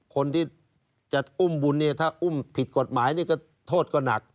คนที่จะอุ้มบุญเนี่ยถ้าอุ้มผิดกฎหมายนี่ก็โทษก็หนัก